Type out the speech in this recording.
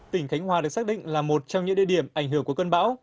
tỉnh khánh hòa được xác định là một trong những địa điểm ảnh hưởng của cơn bão